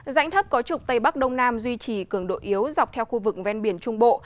rãnh thấp có trục tây bắc đông nam duy trì cường độ yếu dọc theo khu vực ven biển trung bộ